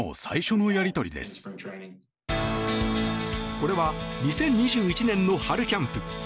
これは２０２１年の春キャンプ。